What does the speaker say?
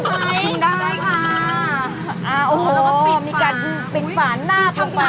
โอ้โหมีการเป็นฝาหน้าของป้า